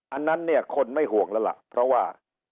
อันนั้นเนี่ยคนไม่ห่วงแล้วล่ะเพราะว่า